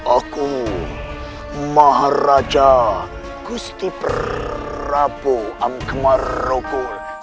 aku maharaja gusti prabu amkemaroku